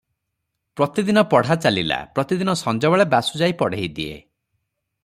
ପ୍ରତିଦିନ ପଢ଼ା ଚାଲିଲା, ପ୍ରତିଦିନ ସଞ୍ଜବେଳେ ବାସୁ ଯାଇ ପଢ଼େଇଦିଏ ।